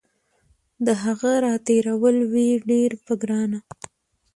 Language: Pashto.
د هغه راتېرول وي ډیر په ګرانه